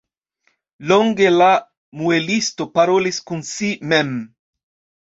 Longe la muelisto parolis kun si mem.